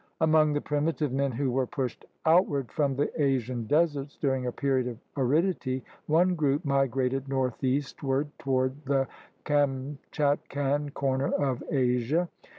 Among the primitive men who were pushed out ward from the Asian deserts during a period of aridity, one group migrated northeastward toward the Kamchatkan corner of Asia.